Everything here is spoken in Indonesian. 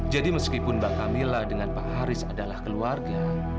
jadi meskipun mbak kamila dengan pak haris adalah keluarga